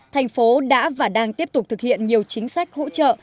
thành phố đã và đang tiếp tục thực hiện nhiều chính sách hỗ trợ